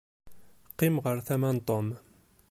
Qqim ar tama n Tom.